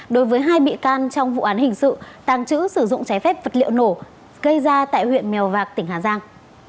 đối với hai bị can trong vụ án hình sự tàng trữ sử dụng trái phép vật liệu nổ gây ra tại huyện mèo vạc tỉnh hà giang